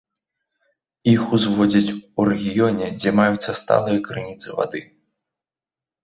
Іх узводзяць у рэгіёне, дзе маюцца сталыя крыніцы вады.